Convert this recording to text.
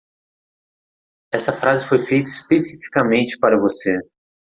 Esta frase foi feita especificamente para você.